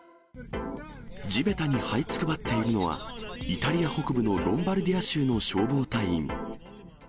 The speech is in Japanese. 地べたにはいつくばっているのは、イタリア北部のロンバルディア州の消防隊員。